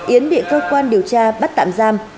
yến bị cơ quan điều tra bắt tạm giam